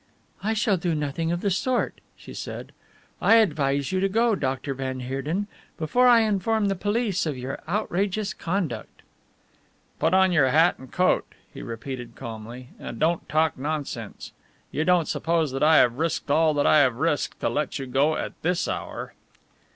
"I shall do nothing of the sort," she said, "I advise you to go, Dr. van Heerden, before I inform the police of your outrageous conduct." "Put on your hat and coat," he repeated calmly, "and don't talk nonsense. You don't suppose that I have risked all that I have risked to let you go at this hour."